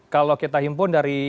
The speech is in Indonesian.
kalau kita himpun dari